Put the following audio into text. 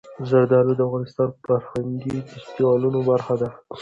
زردالو د افغانستان د فرهنګي فستیوالونو برخه ده.